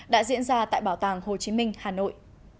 đã diễn ra tại bảo tàng hồ chí minh hà nội